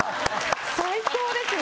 最高ですね！